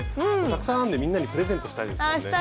たくさん編んでみんなにプレゼントしたいですよね。